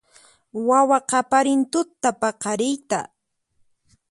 Wawa qaparin tutapaqariyta